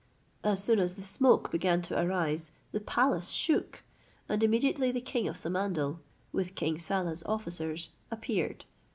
As soon as the smoke began to arise, the palace shook, and immediately the king of Samandal, with King Saleh's officers, appeared.